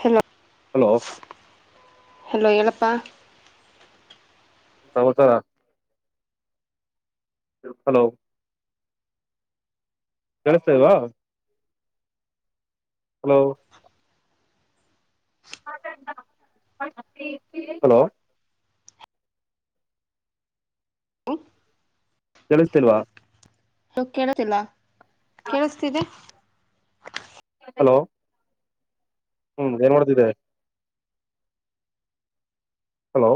Hello hello hello ಎಳಪ್ಪ ಸಮಾಚಾರ hello ಕೇಳಿಸ್ತಾ ಇಲ್ವಾ ಹಲೋ ಹಲೋ [unintelligible] ತಿಳಿಸ್ತಿಲ್ವಾ ಇವಾಗ ಕೇಳೋದಿಲ್ಲ ಕೇಳುಸ್ತಿದೆ. ಹಲೋ ಹ್ಮ್ ಏನ್ ಮಾಡ್ತಿದ್ದೆ? ಹಲೋ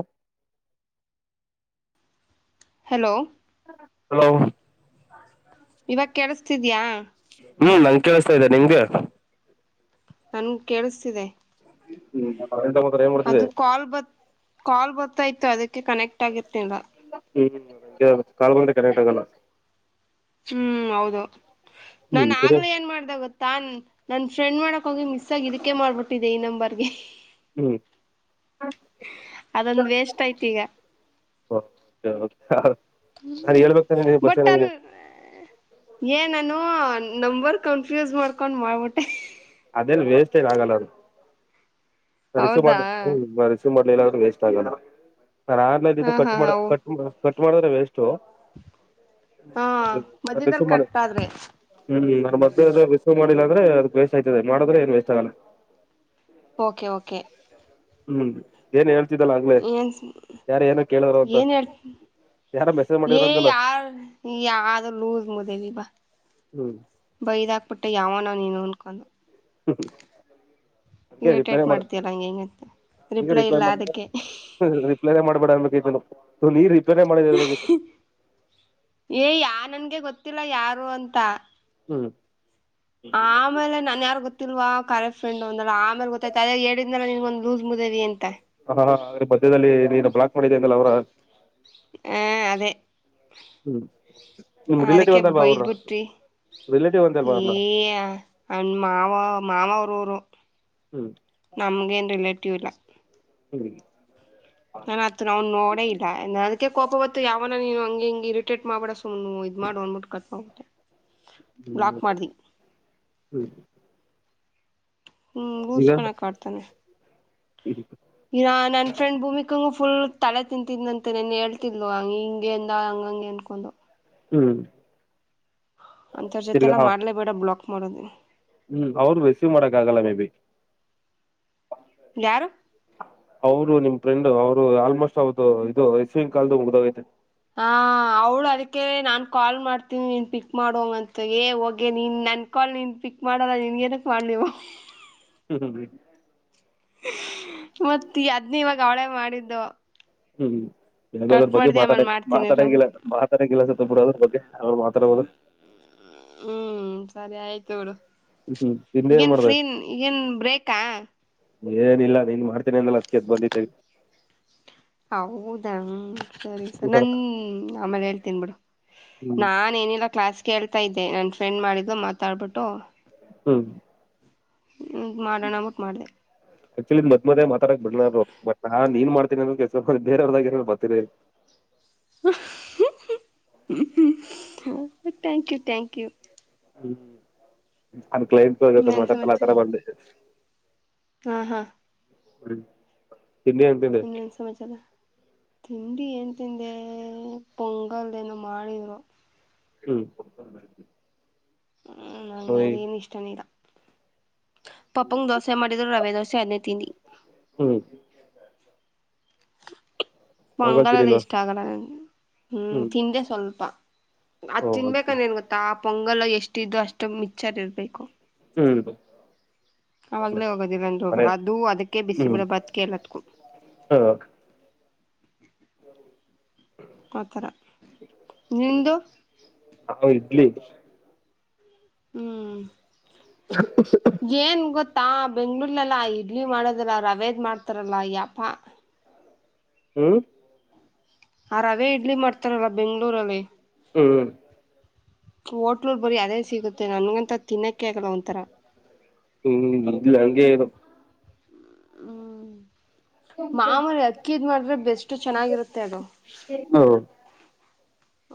ಹಲೋ ಹಲೋ ಇವಾಗ ಕೆೇಳಿಸ್ತಿದ್ಯಾ? ಹ್ಮ್ ನಂಗೆ ಕೇಳಸ್ತಾ ಇದೆ, ನಿಂಗೆ? ನಂಗೂ ಕೇಳಿಸ್ತಿದೆ. [inaudible] ಅದು ಕಾಲ್ ಬ ಕಾಲ್ ಬ ಆಯ್ತಿತ್ತು, ಅದಕ್ಕೆ ಕನೆಕ್ಟ್ ಆಗಿರ್ತಿಲ್ಲ. ಹ್ಮ್ ಕಾಲ್ ಬಂದ್ರೆ ಕನೆಕ್ಟ್ ಆಗಲ್ಲ. ಹ್ಮ್ ಹೌದು. ಹ್ಮ್ ನಾನ್ ಸರಿ ಆಗ್ಲೇ ಏನ್ ಮಾಡ್ದ ಗೊತ್ತಾ ನನ್ ಫ್ರೆಂಡ್ ಮಾಡಕ್ ಹೋಗಿ ಮಿಸ್ ಸಾಗಿ ಇದಕ್ಕೆ ಮಾಡ್ಬಿಟ್ಟಿದೆ ಈ ನಂಬರ್ಗೆ. ಹ್ಮ್ ಅದೊಂದು ವೇಸ್ಟ್ ಆಯ್ತು ಈಗ. ಹೌ ಹ್ಮ್ ಬಟ್ ಅಲ್ಲಿ, ಏ ನನೂ- ನಂಬರ್ ಕನ್ಫ್ಯೂಸ್ ಮಾಡ್ಕೊಂಡ್ ಮಾಡ್ಬಿಟ್ಟೆ. ಅದೆೇನ್ ವೇಸ್ಟ್ ಏನ್ ಆಗಲ್ಲ ಅದು. ಮರಿಸು ಹೌದಾ ಮಾಡ್ ಹ್ಮ್ ಮರಿಸು ಮಾಡ [inaudible] ವೇಸ್ಟ್ ಆಗಲ್ಲ. ನ ಆಗ್ಲೇನೆ ಹಾ ಕಟ್ ಹಾ ಮಾಡ ಹೌ ಕಟ್ ಮಾ ಕಟ್ ಮಾಡಿದ್ರೆ ವೇಸ್ಟು. ಹಾ ಹ್ಮ ರಿಸ್ ಮಧ್ಯದಲ್ಲಿ ಮಾಡಿ ಕಟ್ ಆದ್ರೆ ಹ್ಮ್ ನ ಮದ್ಯೆ ಏನಾ ರಿಸಿವ್ ಮಾಡಿಲ್ಲ ಅಂ ಸರಿ [inaudible] ದೆ ಮಾಡದ್ರೆ ಏನು ವೇಷ್ಟ್ ಆಗಲ್ಲ. Okay okay. ಹ್ಮ್ ಏನ್ ಹೇಳ್ ಏನ್ ಅಂತ ಏನ್ ಹೇಳ್ ಯಾರ ಮೆಸೇಜ್ ಮಾಡಿದ್ರ ಏ ಅಂತಲ್ಲ ಯಾರ್ ಯ್ದ ಲೂಸ್ ಮುದೇವಿ ಬಾ. ಹೂಂ ಬೈದ ಆಕ್ಬಿಟ್ಟೆ ಯಾವನೋ ನೀನು ಅಂದಕೊಂಡು. ಈಗ ಇರಿಟೇಟ್ ರಿಪ್ಲೈನ ಮಾಡ ಮಾಡ್ತೀಯಲ್ಲ ಹಂಗೆ ಹಿಂಗೆ ಅಂತ ಈಗ ರಿಪ್ಲೈ ಇಲ್ಲ ಮಾಡ ಅದಕ್ಕೆ ರಿಪ್ಲೈನೇ ಮಾಡ್ಬೇಡ [inaudible] ತೋ ನೀ ರಿ ಏ ಯಾ ನನ್ಗೆ ಗೊತ್ ಗತ್ತಿಲ್ಲ ಯಾರು ಅಂತ. ಹ್ಮ್ ಆಮೇಲೆ ನನ್ ಯಾರ ಗೊತ್ತಿಲ್ವಾ ಕರೆಕ್ ಫೆಂಡ್ ಒಂದ ಆಮೇಲೆ ಗೊತ್ತತ ಅದೇ ಎ ಹೇಳಿದನೆ ನಿನ್ಗ ಒಂದ ಲೂಸ್ ಮುದೇವಿ ಅಂತ ಹಾ ಹ ಅಂದ್ರೆ ಮಧ್ಯದಲ್ಲಿ ನೀನು ಬ್ಲಾಕ್ ಮಾಡಿದ್ದೇ ಅ ಅವ್ರ ಹ ಅದೇ ಹ್ಮ್ ನಿಮ್ ರಿಲೇಟಿವ್ ಅದಕ್ಕೆ ಅಂತಲ್ವಾ ಅವ್ರ ಬೈದ್ ಬಿಟ್ಟಿ ರಿಲೇಟಿವ್ ಅಂತಲ್ವಾ ಅ ಏ ಅವ್ರನ್ನ ಅವ್ನ ಮಾವ ಮಾವ ರೋರು ಹ್ಮ್ ನಮ್ಗೆನ್ ರಿಲೇಟ್ ಡುಲಾ [inaudible] ನನ್ ಆತ್ ನಾವನ್ ನೋಡೇ ಇಲ್ಲ ಅದ್ಕೆ ಕೋಪ ಬತ್ತು ಯಾವನ ನೀನು ಹಂಗೆ ಹಿಂಗೆ ಇರಿಟೇಟ್ ಮಾಡ್ಬಡ ಸುಮ್ ಇದ ಮಾಡ್ ಅಂದಬಿಟ್ಟ ಕಟ್ ಇಡ್ಮಡ್ಬಿಟ್ ಹ್ಮ್ ಹ್ಮ್ ಹ್ಮ್ ಈಗ ಹೋಗುಸ್ಕೊಳಕ್ಕ ಆಡ್ತಾನೆ ಇರಾ ನನ್ ಫ್ರೆಂಡ್ ಭೂಮಿ ಹಂಗ ಫುಲ್ ತಲೆ ತಿಂತಿದ್ದಂತ ನನ್ ಹೇಳ್ತಿಲ್ವ ಹಂಗ ಹಿಂಗಗೆ ಅಂದ ಹಂಗಂಗೆ ಅನ್ಕೊಂಡು ಹ್ಮ್ ಅಂತ ಜೊತೆ ತಿರ್ಗಾ ಎಲ್ಲಾ ಮಾಡ್ಲೇ ಬೇಡ ಬ್ಲಾಕ್ ಮಾಡೋದೇ ಹ್ಮ್ ಅವರು ರೆಸೀವ್ ಮಾಡಕ್ ಆಗಲ್ಲ ಮೇ ಬಿ ಯರು ಅವರು ನಿಮ್ ಫ್ರೆಂಡ್ ಅವ್ರು ಆಲ್ಮೋಸ್ಟ್ ಅವದು ಇದು ಇಸ್ವನ್ ಕಾಲದ ಉಗ್ದಾಗೈತೆ ಹಾ ಅವಳು ಅದಕ್ಕೆ ನಾನು ಕಾಲ್ ಮಾಡ್ತೀನಿ ನೀನು ಪಿಕ್ ಮಾಡುವಂಗಂತ ಏ ಹೋಗೆ ನೀನು ನನ್ನ ಕಾಲ್ ನೀನು ಪಿಕ್ ಮಾಡಲ್ಲ ನಿನ್ಗೇನಕ್ ಮಾಡಲಿವು ಹ್ಮ್ ಹ್ಮ್ ಹ್ಮ ಹ್ಮ ಮತ್ತ ಅದ್ನ ಇವಾಗ ಅವಳೇ ಮಾಡಿದ್ದು ಹ್ಮ್ ನಗೆ ಅದ್ರ ಕಟ್ ಬಗ್ಗೆ ಮಾಡ್ದಿ ಮಾತಾಡ ಆಮೇಲ್ ಮಾಡ್ತೀನಿ ಇರು ಮಾತಾಡಿಲ್ಲ ಮಾತಾಡಲ್ಲೊಬರು ಅದ್ರ ಬಗ್ಗೆ ಅವ ಮಾತ ಹರಬೋದು ಹ್ಮ್ ಸರಿ ಆಯ್ತು ಬುಡು ಹ್ಮ್ ನಿಂದೇನ್ ಈಗನ್ ಮಾಡ್ದ ಫ್ರೀನ್ ಈಗನ್ ಬ್ರೇಕಾ ಏನಿಲ್ಲ ನೀನ್ ಮಾಡ್ತೀನಿ ಅಂದಲ್ಲ ಅದ್ಕೆ ಎದ್ದ ಬಂದೆ ಹೌದಾ ಸರಿ ಸ ನನ್ ಆಮೇಲೆ ಹೇಳ್ತೀನ್ ಬಿಡು ಹ್ಮ್ ನಾ ಏನಿಲ್ಲ ಕ್ಲಾಸ್ ಕೇಳ್ತಾ ಇದ್ದೆ ನನ್ ಫ್ರೆಂಡ್ ಮಾಡಿದ್ದು ಮಾತಾಡ್ಬಿಟ್ಟು ಹ್ಮ್ ಹ್ಮ ಮಾಡೋಣ್ಟ್ ಮಾಡ್ದ ಆಕ್ಚುಲಿ ಮದ್ ಮಧ್ಯ ಮಾತಾಡಕ್ ಬಿಡಲಾರರು ಬಟ್ ನಾ ನೀನ್ ಮಾಡ್ತೀನಿ ಅ್ರ ಕೆಸ ಬೇರೆಯವ್ರದಾಗ ಏ ಬರ್ತೀರಿ ಥ್ಯಾಂಕ್ ಯು ಥ್ಯಾಂಕ್ ಯು ಹ್ಮ್ ಅಂದ ಕ್ಲೈಂಟ್ ಜೊತೆ ಇನ್ನೇನ್ ಮಾತಾತಲ್ಲ ಸಮಾಚಾರ ಆತರ ಬಂದ ಹಾ ಹಾ ಕ್ರಿ ಇನ್ನ ಸಮಾಚಾರ ತಿಂಡಿ ಏನ್ ತಿಂದೆ ಪೊಂಗಲ್ದ ನ ಮಾಡಿದ್ರು ಹ್ಮ್ ಹ್ಮ ನಂಗೆ ಅದೇನ್ ಇಷ್ಟನಿಲ್ಲ ಪಾಪಂಗ ದೋಸೆ ಮಾಡಿದ್ ರವೆ ದೋಸೆ ಹದನೇ ತಿನ್ನಿ ಹ್ಮ್ ಪೊಂಗಲ್ ಪೊಂಗಾಲಲ್ಲ ತಿನ್ನಿಲ್ವಾ ಇಷ್ಟ ಆಗ ಹ್ಮ್ ತಿಂಡೇ ಸಲ್ಪಾ ಓ ಅದ್ ಓಕೆ ತಿನ್ಬೇಕಂದ ಏನ್ ಗೊತ್ತಾ ಪೊಂಗಲ್ ಎಷ್ಟ ಇದ್ದು ಅಷ್ಟು ಮಿಚ್ಚರ್ ಇರ್ಬೇಕು ಹ್ಮ್ ಅವಾಗ್ಲೇ ಹೋಗೋದಿಲ್ಲಂದ ಮನೆ ಅದು ಅದಕ್ಕೆ ಬಿಸಿ ಹ್ಮ್ ಬಿಡ ಬತ್ಕ ಎಲ್ಲತ್ಕೂ ಹ ನಾವು ಆಥರ ನಿಂದುು ಇಡ್ಲಿ ಹ್ಮ್ ಏನ್ ಗೊತ್ತ ತಾ ಬೆಂಗ್ಗಳೂರ್ಲಲ್ಲ ಇಡ್ಲಿ ಮಾಡದಲ್ಲ ರವೆೇದ್ ಮಾಡ್ತಾರಲ್ಲ ಯಪ್ಪ ಹ್ಮ್ ಆ ರವೇ ಇಡ್ಲಿ ಮಾಡ್ತಾರಲ್ಲ ಬೆಂಗ್ಳೂರಲ್ಲಿ ಹ್ಮ್ ಹೋಟ್ಲೂರ್ ಬರೀ ಅದೇ ಸಿಗುತ್ತೆ ನನ್ಗಂತ ತಿನ್ನೋಕ್ಕೆೆ ಆಗಲ್ಲ ಒಥರ ಹ್ಮ್ ಇದಿಲ್ಲ ಹಂಗಗೆ ಹ್ಮ್ ಮಾಮೂರಿ ಅಕ್ಕಿದ್ ಮಾಡಿದ್ರೆ ಬೆಸ್ ಚೆನ್ನಾಗಿರುತ್ತೆ ಅಡು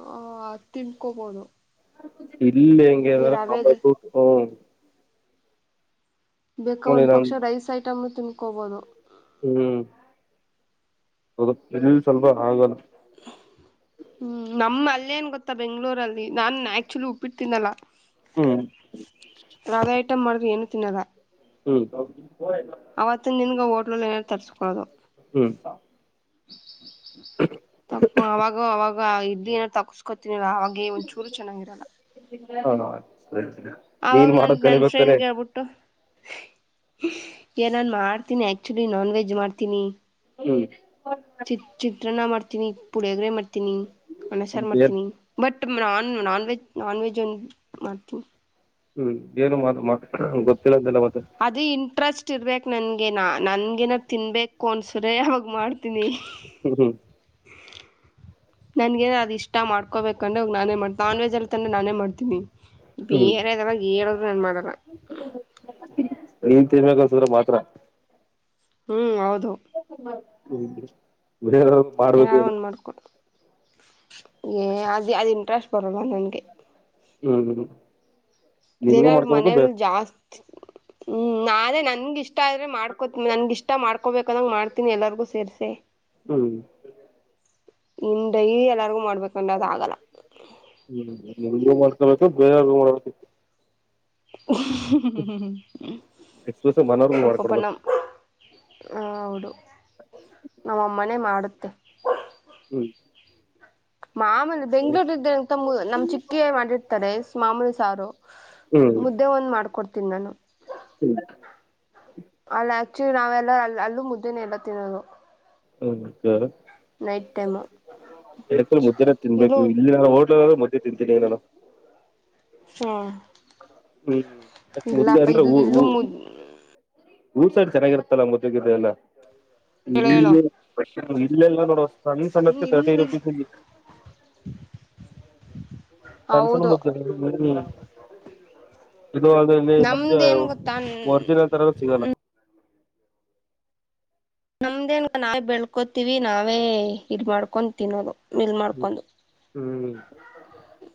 ಹ ತಿನ್ಕೊಬೋದು ಹ ಇಲ್ಲ ಹೆಂಗಗೆ ಅ್ರಮ್ಮ ಹ್ಮ ಬೇಕ ಒಂದ ನಮ್ ಪಕ್ಷ ರೈಸ್ ಆಯ್ತು ಟಮ್ ತಿನ್ಕೋಬಹದು ಹ್ಮ್ ಅದು ಎಲ್ಲಿ ಸ್ವಲ್ಪ ಆಗಲ್ಲ ಹ್ಮ್ ನಮ್ಮ ಅಲ್ಲೇ ನ್ ಗೊತ್ತಾ ಬೆಂಗ್ಳೂರಲ್ಲಿ ನಾನ್ ಆಕ್ಚುಲಿ ಉಪ್ಪಿಡ್ತೀನಲ್ಲ ಹ್ಮ್ ಏನ ತಿನ್ನದಾ ಹ್ಮ್ ಹೌ ಅವತ್ ನಿನ್ಗ ನ ತರಿಸು ಹ್ಮ್ ತಪ್ಪ ಅವಾಗ ಅವಾಗ ವಾ ಇಡ್ಲಿ ಏನ್ ತಗಸ್ಕೊತೀನಿಲ್ಲ ಹಾಗೇ ಒಂದ್ ಚೂರು ಚೆನ್ನಾಗಿರಲ್ಲ. [unintelligible] ನೀನ್ ಆವಾಗ್ ನನ್ ಮಾಡೋದ್ ನನ್ ಕಲಿಬೇಕ್ ತಾನೆ ಫ್ರೆಂಡ್ಗೆೇಳ್ಬಿಟ್ಟು ಏ ನಾನ್ ಮಾಡ್ತೀನಿ ಆಕ್ಚುಲಿ ನಾನ್ ವೆಜ್ ಮಾಡ್ತೀನಿ. ಹ್ಮು ಚೀತ್ರನ ಮಾಡ್ತನಿ ಪುಳ್ಯಾಗ್ರೇ ಮಾಡ್ ನಿ ಅನ್ನ, ಸಾರ್ ಮತ್ತೇನ್ ಮಾಡ್ತೀನಿ ಬಟ್ ನಾನ್ ನಾನ್ವೆಜ್ ನಾನ್ವೆಜ್ ಮಾಡ್ತೀನಿ. ಹ್ಮ್ ಏನು ಮಾಡ್ [unintelligible] ಗೊತ್ತು. ಅದು ಇಂಟ್ರೆಸ್ಟ್ ತಿರ್ಬೇಕ ನಂಗೆ ನಾ ನನ್ಗೇನ ತಿನ್ಬೇಕು ಅನ್ಸರೆ ಆವಾಗ್ ಮಾಡ್ತೀನಿ. ಹ್ಮ್ ಹ್ಮ್. ನನ್ಗೇ ಅದ ಇಷ್ಟ ಮಾಡ್ಕೋಬೇಕಂದ್ರೆ ನಾನೇ ಮಾಡ್ತ ನಾನ್ ವೆಜ್ ಅಲ್ಲಿ ತಂದೆ ನಾನೇ ಮಾಡ್ತೀನಿ. ಹ್ಮ್ ಬೀರೆಲ್ಲ [unintelligible] ನಾನ್ ಮಾಡಲ್ಲ. ನೀನ್ ತಿನ್ಬೇಕನ್ಸಿದ್ರೆ ಮಾತ್ರ ಹ್ಮ್ ಹೌದು. ಹಾ ಹ್ಮು ತಿನ್ನಸ್. ಬೇರ್ ಅವ್ರಿಗೂ ಮಾಡ್ಬೇಕು ಏನಾರು ಇವ್ರು. ಒಂದ್ ಮಾಡ್ಕೊ ಏ ಆದ್ ಆದ್ ಇಂಟ್ರೆಸ್ಟ್ ಬರೋಲ್ಲ ನಂಗೆ. ಹ್ಮು ಹ್ಮು. ದಿನ ಇವ್ರ್ ಮನೇಯಲಿ ಜಾಸ್ತಿ ಹ್ಮ್ ನಾಳೆ ನನ್ನಿಷ್ಟ ಇಷ್ಟ ಆದ್ರೆ ಮಾಡ್ಕೋತ ನಂಗ್ ಇಷ್ಟ ಮಾಡ್ ಹಾಕೋಬೇಕ ಅಂದಂಗ್ ಮಾಡ್ತಿನಿ ಎಲ್ಲರಿಗೂ ಸೇರಿಸಿ. ಹ್ಮ್ ಇನ್ ಡೈಯಿ ಎಲ್ಲಾರ್ಗು ಮಾಡಬೇ ಇವಾಗ್ ಕೊಂಡದ ಆಗಲ್ಲ. ನಿಂಗು ಮಾಡ್ಕೊಬೇಕು ಬೇರೆಯವ್ರಗೂ ಮಾಡ್ಬೇಕು. ಎಕ್ಸ್ಪ್ರೆಸ್ ಮನೋರ್ಗೂ ಸ್ವಪ ಮಾಡ್ಕೊಡ್ಬೇಕು ನಮ್ಮ ಹೌಡು ನಮ್ಮ ಅಮ್ಮನೇ ಮಾಡುತ್ತೆ. ಹ್ಮು ಮಾಮೂಲಿ ಬೆಂಗ್ಗಳೂರ ಇದೆಂತಮ್ಮ್ ನಮ್ ಚಿಕ್ಕಿ ಮಾಡಿರ್ತಾರೆ ಮಾಮೂಲ ಸಾರು ಹ್ಮ್ ಮುದ್ದೆ ಒಂದ್ ಮಾಡ್ಕೊಡ್ ತಿನ್ ನಾನು. ಅಲ್ಲಕ್. ಚಿ ನಾವೆಲ್ಲ ಅ ಅಲ್ಲೂ ಮುದ್ದೆನೆ ಎಲ್ಲ ತಿನ್ನೋದು. ಹ್ಮ್ ಜೋರಾ. ನೈಟ್ ಟೈಮು ಎಕ್ಳು ಮುದ್ದೆನೇ ತಿನ್ಬೇಕು ಇಲ್ಲೂ ಇಲ್ಲಿ ಹೋಟಲಲ್ ಮುದ್ದೆ ತಿನ್ ತಿನಿ ನಾನು. ಹಾ ಹ್ಮ್ ಮುದ್ದೆ ಇಲ್ಲಪ್ಪ ಅಂದ್ರೆ ಇಲ್ ಉ ಉ. ಇಲ್ಲೂ ಮುದ್ ಊರ್ ಸೈಡ್ ಚೆನ್ನಾಗಿರುತ್ತಲ್ಲ ಮುದ್ದೇ ಗಿದ್ದೆ ಎಲ್ಲ. ಹೇಳು ಇಲ್ಲಿ. ಹೇಳು ಇಲ್ ಎಲ್ಲೊ ನೋಡೊ. ಸಣ್ ಹ್ಮ್ ಸಣದ್ಕೆ ತಿರ್ಟಿ ಇಲ್ಲಿ ರುಪೀಸ್ ಇಲ್ಲಿ. ಸಣ್ ಸಣ್ ಹೌದು ಮುದ್ [unintelligible] ಇದು ಅಲ್ದೆ ಇಲ್ಲಿ ನಮ್ದೇನ್ ನಮ್ದ್ಯವ್ ಗೊತ್ತಾ ಒರ್ಜಿನಲ್ ತರದ್ ಸಿಗಲ್ಲ. ನಮ್ದೇನ್ ನಾವೇ ಬೆಳ್ಕೋತೀವಿ ನಾವೇ ಇದ ಮಾಡ್ಕೊಂಡ್ ತಿನ್ನೋದು. ಮಿಲ್ ಹ್ಮು ಮಾಡ್ಕೊಂಡು ಹ್ಮೂ. [unintelligible]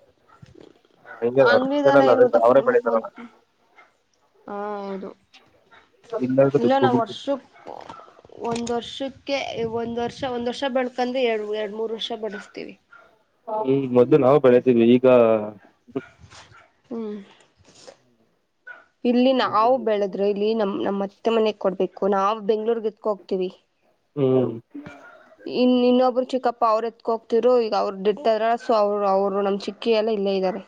ಅಂಗ್ಡಿದೆಲ್ಲ ಎಲ್ಲ ಏನ್ ಅದೇ ಗೊತ್ತಾ ಅವರೇ ಫುಲ್ ಒಂದ್ ಬೆಳಿತಾರಲ್ಲ ಹಾಹೌದು, ಇಲ್ಲಾಂದ್ರೆ ಇಲ್ಲ ದುಡ್ಡು ನಾವ್ ಕೊಟ್ಬಿಡ್ತೀವಿ ವರ್ಷಕ್ ಒಂದ್ ವರ್ಷಕ್ ಕೇ ಇಒಂದ್ ವರ್ಷ ಒಂದ್ ವರ್ [unintelligible] ಬೆಳ್ಕಂದಿ ಎರ್ಡ್ ಎರ್ಡ್ ಮೂರ್ ವರ್ಷ ಬಡಸ್ತೀವಿ. ದಾ [unintelligible] ಹ್ಮು. ಇಲ್ಲಿ ನಾವ್ ಬೆಳದ್ರೆ ಇಲ್ಲಿ ನಮ್ ನಮತ್ ಅತ್ತೆ ಮನೆಗ್ ಕೊಡ್ಬೇಕು ನಾವ್ ಬೆಂಗ್ಳೂರ್ಗೆ ಕೋಗ್ತೀವಿ. ಹ್ಮ್ ಇನ್ ಇನ್ನೊಬ್ರು ಚಿಕ್ಕಪ್ಪ ಅವ್ರತ್ ಕೊಗ್ತಿರು ಈಗ ಅವ್ರು ಡಿಡ್ತ ಇದ್ರ ಸೊ ಅವ್ರು ಅವ್ರು ನಮ್ ಚಿಕ್ಕಿ ಎಲ್ಲ ಇಲ್ಲೇ ಇದ್ದಾರೆ.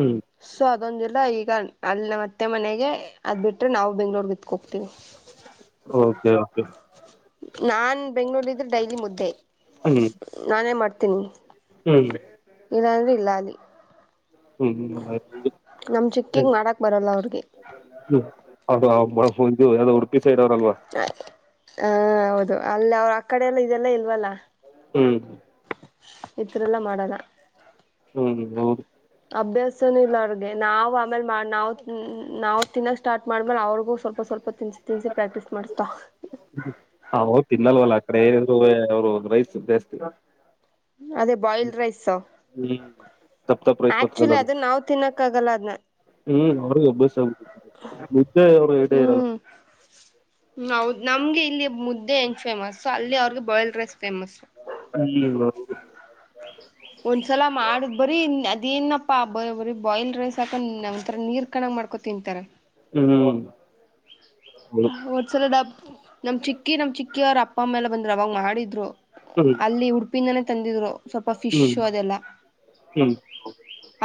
ಹ್ಮ್ ಸೊ ಅದೊಂದ್ ಇರ್ಲ ಇ ಈಗ ಅಲ್ ನಮ್ ಅತ್ತೆ ಮನೆಗೆ ಅದ್ ಬಿಟ್ರೆ ನಾವು ಬೆಂಗ್ಳೂರ್ ಗಿತ್ಕೋಗ್ತೀವಿ. Okay okay. ನಾನ್ ಬೆಂಗ್ಗಳೂರ್ಲ್ ಇದ್ರೆ ಡೈಲಿ ಮುದ್ದೆ. ಹ್ಮ್ ನಾನೇ ಮಾಡ್ ತಿನಿ. ಹ್ಮ್ ಇಲ್ಲಂದ್ರೆ ಇಲ್ಲ ಅಲ್ಲಿ. ಹ್ಮ್ ಹ್ಮ ಹ. ನಮ್ ಚಿಕ್ಕಿಗ್ ಮಾಡಕ್ ಬರಲ್ಲ ಅವ್ರಿಗೆ ಬಳ ಫುಲ್ದು ಯಾವ್ದೋ ಉಡ್ಪಿ ಸೈ ಸೆರೋರ್ ಅಲ್ವಾ. ಹ ಹೌದು ಅಲ್ ಅವ್ರ್ ಆ ಕಡೆ ಎಲ್ಲ ಇದೆಲ್ಲಾ ಇಲ್ವಲ್ಲ. ಹ್ಮ್. ಇದ್ರೆಲ್ಲಾ ಮಾಡಲ್ಲ. ಹ್ಮ್ ಹ್ಮ್ ಓ. ಸುನ್ ಇಲ್ಲ ಅವ್ರ್ಗೆ ನಾವ್ ಆಮೇಲೆ ಮಾಡ್ ನಾವ್ ನಾವ್ ತಿನ್ನಕ್ ಸ್ಟಾರ್ಟ್ ಮಾಡ್ಮೇಲೆ ಅವ್ರಿಗೂ ಸ್ವಲ್ಪ ಸ್ವಲ್ಪ ತಿನ್ಸಿ ತಿನ್ಸಿ ಪ್ರಾಕ್ಟೀಸ್ ಮಾಡುಸ್ತೊ. ಹವು ತಿನ್ನಲ್ವಲ್ಲ ಆ ಕಡೆ ಏನಿದ್ರುವೇ ಅವ್ರು ರೈಸ್ ಜಾಸ್ತಿ. ಅದೇ ಬಾಯ್ಲ್ಡ್ ರೈಸು ಹ್ಮ್ ತಪ್ಪ ತಪ್ಪ ರೈಸ್ ಬರ್ತದಲ್ಲ ಆಕ್ಚೂಲಿ ಅದು ಅದನ್ನ ನಾವ್ ತಿನ್ನಕ್ ಆಗಲ್ಲ ಅದ್ನ. ಹ್ಮ್ ಅವ್ರಿಗೆ ಅಭ್ಯಾಸ ಮುದ್ದೆ ಅವ್ರು ಯೆಟ್ ಇರಲ್ಲ. ಹೌದ್ ನಮ್ಗೆ ಇಲ್ಲಿ ಮುದ್ದೆ ಹೆಂಗ್ ಫೇಮಸ್ಸೋ ಅಲ್ಲಿ ಅವ್ರಿಗೆ ಬಾಯ್ಲ್ಡ್ ರೈಸ್ ಫೇಮಸು. ಅಲ್ಲಿವ. ಒಂದ್ಸಲ ಮಾಡುದ್ ಬರೀ ಅದೇನಪ್ಪಾ ಬ ಬರೀ ಬಾಯ್ಲ್ಡ್ ರೈಸ್ ಹಾಕಂದ್ ಒಂದ್ ತರ ನೀರ್ ಕಣಗ್ ಮಾಡ್ಕೊ ತಿಂತಾರೆ. ಹ್ಮ. ಹ ಹೋದ್ಸಲ ಡಬ್ ನಮ್ ಚಿಕ್ಕಿ ನಮ್ ಚಿಕ್ಕಿವ್ರ್ ಅಪ್ಪ ಅಮ್ಮೆಲ್ಲ ಬಂದ್ರ ಅವಾಗ್ ಮಾಡಿದ್ರು. ಹ್ಮ್ ಅಲ್ಲಿ ಉಡ್ ಪಿನ್ನಾನೆ ತಂದಿದ್ರು. ಸ್ವಲ್ಪ ಹ್ಮ್ ಫಿಶ್ಶು ಅದೆಲ್ಲ ಹ್ಮ್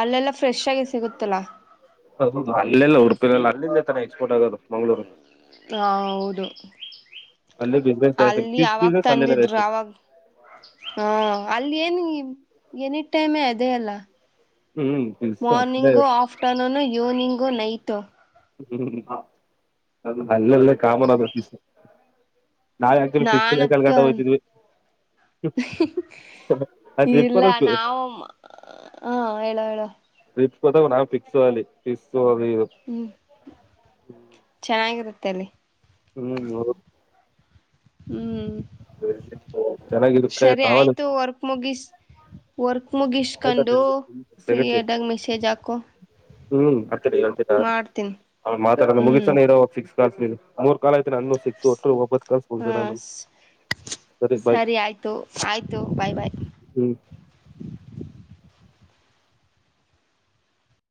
ಅಲ್ಲೆಲ್ಲ ಫ್ರೆಶಾಗೆ ಸಿಗುತ್ತಲಾ. ಹೌದು ಅಲ್ಲೆಲ್ಲ ಉಡ್ಪಿಲೆಲ್ಲ ಅಲ್ಲಿಂದ ತಾನೇ ಎಕ್ಸ್ಪೋರ್ಟ್ ಆಗದು ಮಂಗ್ಳೂರ್. ಹ ಹೌದು. ಅಲ್ಲಿ ಬಿಸ್ನೆಸ್ ಜಾಸ್ತಿ ಅಲ್ಲಿ ಫಿಶ್ ಅವಗ್ ಬಿಸ್ನೆಸ್ ಅಲ್ಲೇನೇ ತಂದಿದ್ರು ಜಾಸ್ತಿ ಅವಾಗ್ ಹ್ಮ್ ಅಲ್ಲಿ ಏನ್ ಏನಿ ಟೈಮೆ ಅದೆ ಅಲ್ಲ. ಹ್ಮ್ ಫಿಶ್ ಆ ಕಡೆ ಮಾರ್ನಿಂಗೂ ಆಫ್ಟರ್ನೂನ್ ಇವ್ನಿಂಗೂ ನೈಟು. ಹ್ಮ್ ಅ ಅಲ್ಲೆಲ್ಲ ಕಾಮನ್ ಅದು. ನಾವ ಆಕ್ಚುಲಿ ನಾನ್ ಫಿಸ್ಕಿನ ಕಲ್ಗಟ ಅಕ್ಕನ್ ಹೋಗ್ತಿದ್ವಿ ಆ ಟ್ರಿಪ್ ಇಲ್ಲ ನಾವು ಹಾ ಹೇಳೋ ಹೇಳೋ. ಟ್ರಿಪ್ಸ್ ಗೋದಾವ್ ನಾವ್ ಫಿಕ್ಸು ಅಲ್ಲಿ ಫೀಸ್ ಗೋವಿವು. ಹ್ಮ್. ಚೆನ್ನಾಗಿರುತ್ತೆಲ್ಲಿ. ಹ್ಮ್ [unintelligible] ಹ್ಮ್. ಚೆನ್ನಾಗಿರುತ್ತೆ ಸರಿ [unintelligible] ಆಯ್ತು ವರ್ಕ್ ಮುಗಿಸ್ ವರ್ಕ್ - ಆಯ್ತಾ ಮುಗಿಸ್ಕೊಂಡು ಸೆಕೆಂಡ್ ಸರಿ ಫ್ರೀಯದಾಗ ಮೆಸೇಜ್ ಹಾಕೋ. ಹ್ಮ್ ಹೇತ ಮಾತಾಡ ಹ್ಞೂ ಮುಗಿಸ್ಸಾನ [unintelligible] [inaudible] ಕಾಲ ಆಯತ್ ನನ್ನ ಸಿಕ್ಸ್ ಒಟ್ಟ ಒಬ್ಬದ ಒಂಬತ್ತು ಕಾಲ್ ಹಾಂ ಮುಗಿತು ಸರಿ ಬಾಯ ಆಯಿತು ಆಯಿತು ಬಾಯ್ ಬಾಯ್ ಹ್ಮ್.